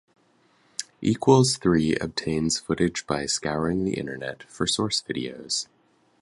Equals Three obtains footage by scouring the Internet for source videos.